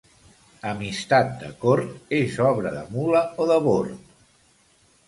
Amistat de cort és obra de mula o de bord.